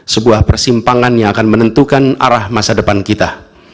sebuah persimpangan yang akan menentukan arah masa depan kita